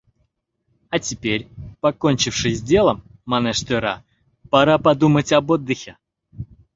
— А теперь, покончивши с делом, — манеш тӧра, — пора подумать об отдыхе.